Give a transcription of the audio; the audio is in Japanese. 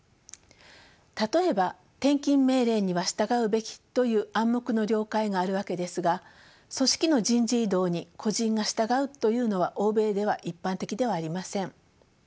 例えば転勤命令には従うべきという暗黙の了解があるわけですが組織の人事異動に個人が従うというのは欧米では一般的ではありません。